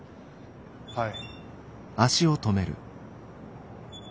はい。